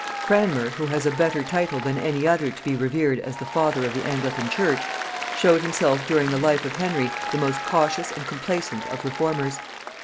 Cranmer, who has a better title than any other to be revered as the father of the Anglican church, showed himself during the life of Henry the most cautious and complaisant of reformers.